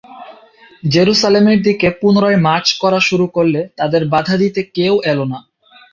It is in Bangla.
জেরুসালেমের দিকে পুনরায় মার্চ করা শুরু করলে, তাদের বাধা দিতে কেউ এলো না।